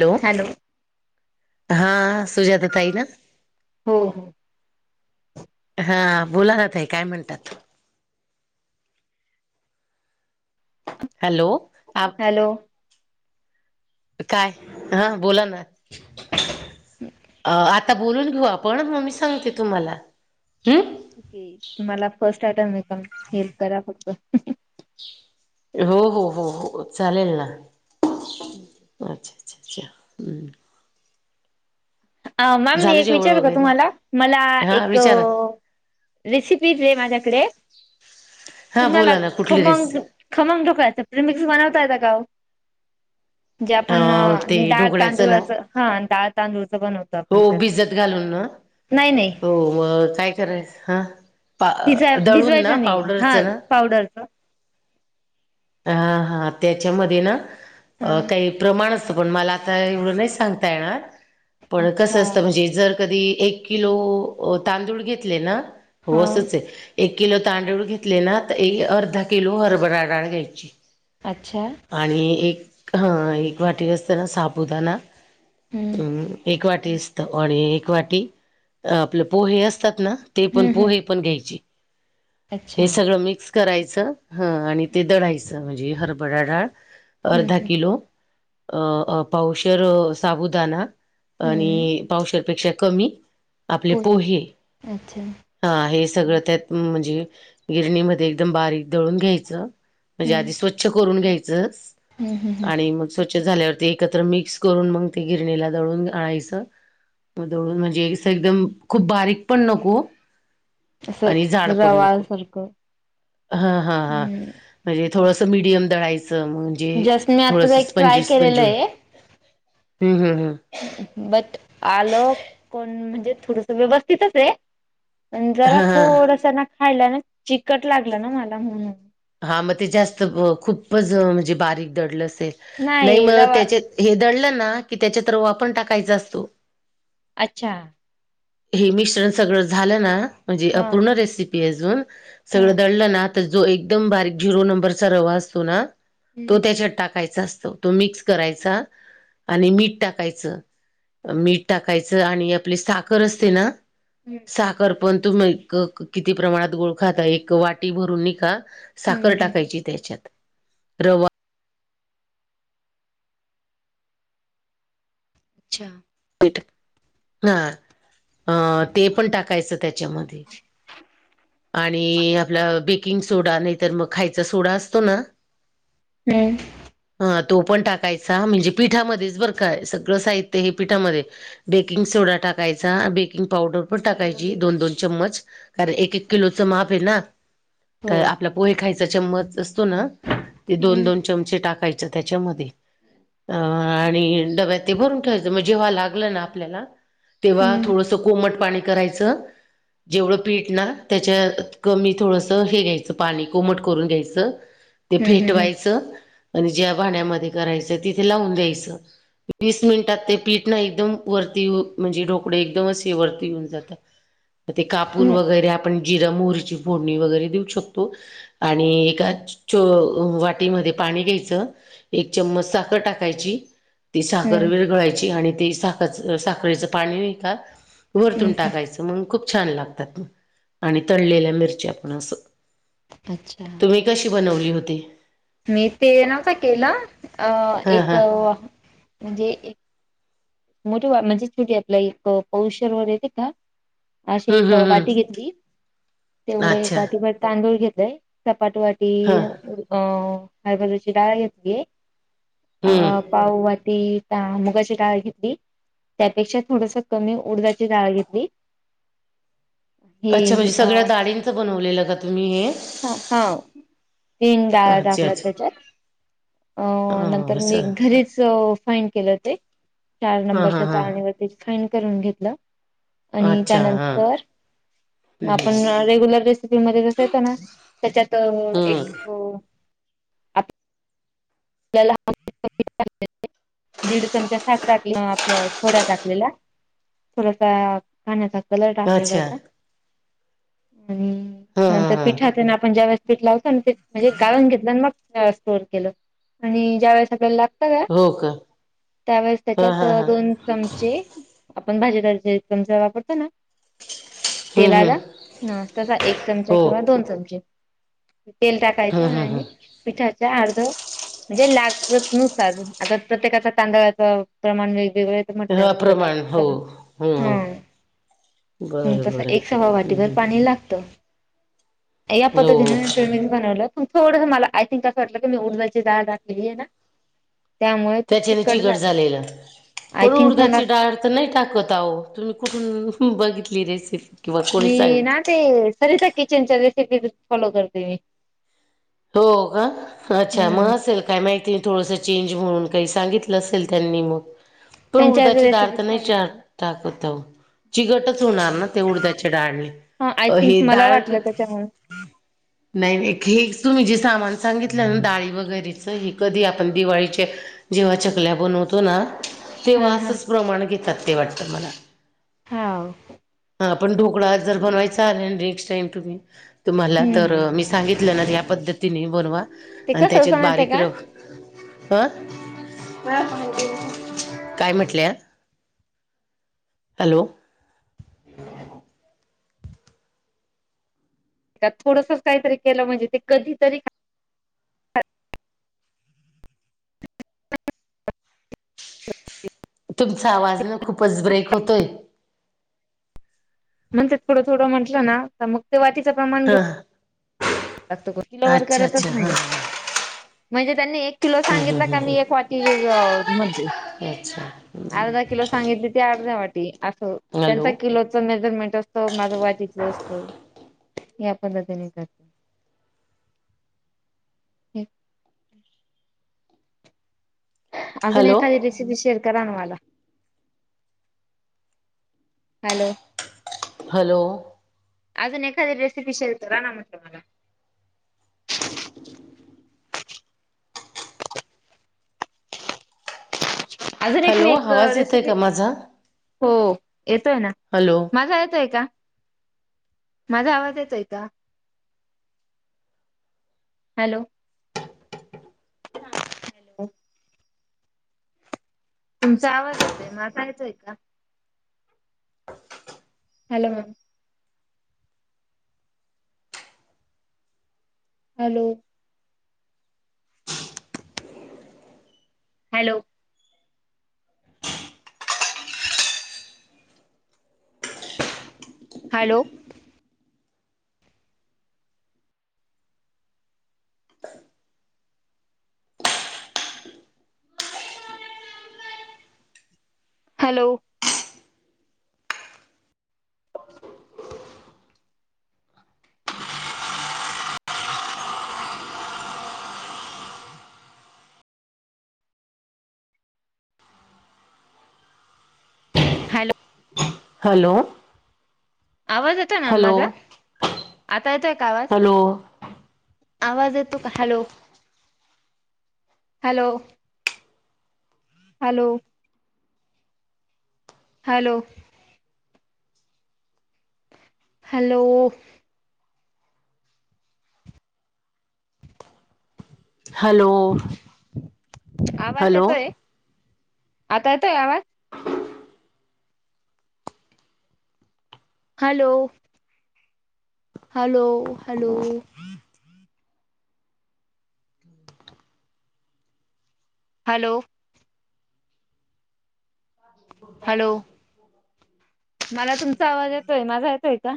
Hello हा सुजात ताई ना हो हो हा बोला जात आहे काय म्हणतात हॅलो आप हॅलो काय हा बोला ना आ आता बोलून घेऊ आपण मग ममी सांगते तुम्हाला ह् ठीक तुम्हाला फर्स्ट आयटम मेकअप हेल्प करा फडत हो हो हो हो चालेल ना अच्छा अच्छा अच्छा ह् अ मॅम मी झालं एक जेवण विचारू का वगैरे तुम्हाला मला हा एक विचारा रेसिपी र आहे माझ्याकडे हा तुम्हाला बोला ना कुठली रेस खमंग खमम ठोकायचं प्रमिक्स बनवता यय का गाव जे अ आपण ते डाळ ढोकळ्याचं ना तांदूळाच हा डाळ तांदूळच बनवतो हो आपण त्यातलं भिजत घालून ना नाही नाही हो म काय कराय ह भिजा दळून ना भिजवायचं नाही हा पावडरचं ना पावडरच हा हा त्याच्यामध्ये ना हा काही प्रमाण मव नाही स येणारण क अच्छा असतण कधी एक किलो तांदूळ घेतले ना हो हा असच आहे एक किलो तांदूळ घेतले ना तर अर्धा किलो हरभरा डाळ घ्यायची अच्छा आणि एक ह एक वाटी असताना सापुदना हम्म अम् एक वाटी असत आणि एक वाटी आपलं पोहे असतात ना ते पण हम्म हम्म पोहे पण घ्यायचे अच्छा हे हम्म सगळं मिक्स करायचं ह आणि ते दढायचं म्हणजे हरभरा डाळ. अर्धा हम्म किलो अ पावशर साबुदाणा आणि हम्म पावसापेक्षा कमी आपले पोहे. अच्छा हा हे सगळं त्यात म्हणजे गिरणीमध्ये एकदम बारीक दळून घ्यायचं. म्हणजे हम्म आधी स्वच्छ करून घ्यायचं हम्म हम्म हम्म. आणि मग स्वच्छ झाल्यावरती एकत्र मिक्स करून मग ते गिरणीला दळून आणायचं. दळून म्हणजें एकदम खूप बारीक पण नको. असं आणि झाड पड रवाळ नको सारखं. हा हा हा. हम्म म्हणजे थोडसं मिडियम दळायचं म्हणजे जस्ट मी आता थोडस एक ट्राय केलेलं स्पंजीसपंजी आहे हम् हम् हम. बट आलं कोण म्हणजे थोडस व्यवस्थितच आहे. पण जरा हां हां थोडस ना खायला ना चिकट लागलं ना मला म्हणून हा मग ते जास्त खूपच म्हणजे बारीक दडलं असेल नाही मग त्याचेत हे दळलं ना की त्याच्या तरवा आपण टाकायचा असतो. अच्छा. हे मिश्रण सगळ झालं ना म्हणजे हा अूर्ण रेसी हा सगळ दडलं ना जो एकदम बारीक झरो नंबरचा रवा असतो ना तो हम्म त्याच्यात टाकायचा असतो तो मिक्स करायचा आणि मीठ टाकायचं. मीठ टाकायचं आणि आपली साखर असते ना. हम्म साखर पण तुम्ही किती प्रमाणात गोळ खाता एक वाटी भरून नि काा? हम्म साखर हम्म. टाकायची त्याच्यात रवा अच्छा. हा ते पण टाकायचं त्याच्यामध्ये आणि आपला बेकिंग सोडा नाहीतर मग खायचा सोडा असतो ना. [unintelligible] हम्म. हा तो पण टाकायचा म्हणजे पिठामध्येच बरं काय सगळं साहित्य हे पिठामध्ये बेकिंग सोडा टाकायचा बेकिंग पावडर पण टाकायची दोन दोन चममच. कारण एक एक किलोचं माप आहे ना. हो. तर आपला पोहे खायचा चममच असतो ना ते दोन हम्म दोन च टाकायच त्याच्यामध्ये आणि डब्यात भरून ठे. जेव्हा लागलं ना आपल्याला तेव्हा हम्म थोडस कोमट पाणी करायचं. जेवढं पीठ ना त्याच्या कमी थोडसं हे घ्यायचं पाणी कोमट करून घ्यायचं. ते हम्म हम्म फेटवायचं. आणि ज्या भाण्यामध्ये करायचं तिथे लावून द्यायचं वीस मिनिटात ते पीठ ना एकदम वरती म्हणजे ढोकळे एकदम असे वरती होऊन जातात. ते कापून हम्म वगैरे आपण जिरा मोहरीची फोडणी वगैरे देऊ शकतो. आणि एका च वाटीमध्ये पाणी घ्यायचं. एक चम्मच साखर टाकायची. ती हम्म साखर हम्म. विरगळायची आणि तेी साखरचं साखरेचं पाणी एका वरतून हम्म टाकायचं. खूप छान लागतात आणि तळलेल्या मिरच्या आपण अस. अच्छा. तुम्ही कशी बनवली होती. मी ते नवता केलं अ हा एक हा. म्हणजे मोठी म्हणजेच े आपला पौषर ववर येते का? अशी हम्म एक हम्म हम्म. वाटी घेतली तेवढं एक अच्छा. वाटी म तांदूळ घेतलंय चपाट वाटी हा. ती अ हरबाजूची लााळ घेती. हम्म. पाववा ती त्या मुगाची कााळ त्यापेक्षा थोडस कमी ऊर्जाची जाडाळ घेतली. हे अच्छा म्हणजे अ, सगळ्यााडींचं बनवलेलं का तुम्ही हे ह हा तीन डळ अच्छा दागलंत अच्छा. त्याच्या अ नंतर मी घरीच फाईन केलं ते चार हा हा नंबरच्या हा. चाळणीवरतीच फाइन करून घेतलं आणि अच्छा हा त्यानंतर हम्म आपण रेग्युलर रेसिपीमध्येध्येचसे ना त्याच्यात एक हम्म आपल्याला दीड चमचा साग टाक आपलं सोडा टाकलेला थोडासा खण्याचा कलर टाकलेला अच्छा होता आणि हा हा नंतर हा पीठातना आपण ज्या वळे पठ ला होतो आणि ते म्हणजे गाळून घेतलं आणि मग स्टोर केलं आणि ज्यावेेळेस आपगळला ला हो का त्यावेळेस हा त्याच्यात हा हा दोन चमचे आपण भाजी त चमचा वापरतो ना हम्म तेलाला हम्म ह तसा एक चमचा हो किंवा दोन चमचे तेल हम्म टाकायचं हम्म आणि हम्म पिठाच अर्ध म्हणजे लाग नुसार आता प्रत्येकाच्या तांदळाचं प्रमाण वेगवेगळ हा म्हटल्यावर जरा प्रमाण हो हम्म हा हम्म बरं तस बरं एक सवा हम्म वाटीभर हम्म पाणी लागतं या हो हो पद्धतीने प्रेच बनवलं पण थोडंस मला आय थिंक असं वाटलं की मी उर्जाची जाडळ टाकली आहे ना त्यामुळे ते त्याच्याने चिकट चिघट झालं झालेलं आय पण थिंक मला उर्धाची डाळ तर नाही टाकत आहो तुम्ही कुठून बघितली रेसिपी किंवा कोणी मी ना सांगितली ते सरिता किचनच्या रेसिपी फॉलो करते मी हो का अच्छा मग हम्म. असेल काय माहिती थोडसं चेंज म्हणून काही सांगितलं असेल त्यांनी मग पण त्यांच्या उर्दाचे दधार तर रेसिपीज नाही फॉलो चार कर टाकत चिगटच होणार ना ते उडद्याचे डाळणी हा आय अ थिंक हे मला डाळ वाटलं त्याच्यामुळे नाही हे तुम्ही जे सामान सांगितलं ना डाळी वगैरेचं हेी कधी आपण दिवाळीचे जेव्हा चकल्या बनवतो ना तेव्हा हा हा. असंच प्रमाण घेतात ते वाटतं मला होा हा पण ढोकळा जर बनवायचा आ नेक्स्ट टाइम तुम्ही तुम्हाला हम्म तर सांगितल्यान ह्या पद्धतीने बनवा ते आणि कसं असं त्याच्यात माहितीये बारीक का? र ह काय म्हटलं हॅलो थोडस काहीतरी केलं म्हणजे ते कधीरी तुमचा आवाजनं खूपच ब्रेक होतोय म्हण ते थोडं थोडं म्हटलं ना तर मग ते वाीचं प्रमाण हां त किलो अच्छा वकरतच हां नाही म्हणजे त्यांनी एक किलो हं हं सांगितला हं का मी एक वाटी म्हण अच्छा अर्धा किलो सांगितली ते अर्ध्या वाटी असं हॅलो त्यांचा किलोचं मेजरमेंट असत त माझ वाटतलं असतो या पद्धतीने करत ह अजून हॅलो एखाद ी शेअर करवाला हॅलो हॅलो अजून एखादी रेसिपी शेलतो रा ना म्हटतो मला अजून एक नाहीी हॅलो एक आवाज येतोय रेसिपी का माझा हो येतोय ना हॅलो माझा येत आहे का माझा आवाज येत आहे का हॅलो हॅलो तुमचा आवाज येतोय मला असयचंय का, hello ma'am hello hello hello. Hello. Hello. Hello. आवाज येतो ना हॅलो माझा आता येतोय का आवाज? हॅलो आवाज येतो का hello hello. Hello. Hello. Hello. Hello आवाज हॅलो येतोय आता येतोय आवाज. [unintelligible] Hello hello hello. Hello. Hello मला तुमचा आवाज येतोय माझा येतोय का?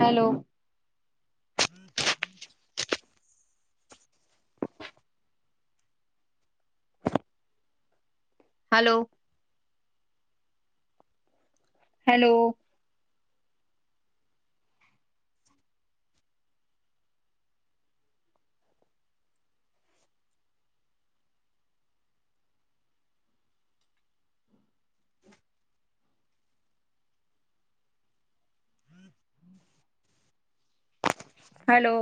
Hello. Hello. Hello. Hello.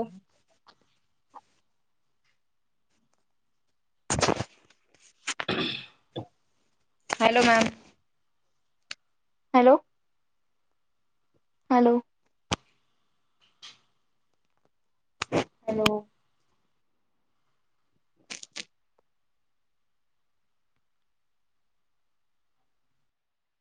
[unintelligible] [unintelligible] Hello ma'am. Hello. Hello. Hello.